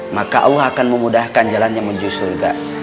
maka allah akan memudahkan jalannya menjus surga